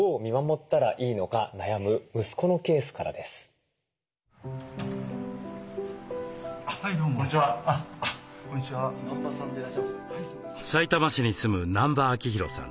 さいたま市に住む南場明裕さん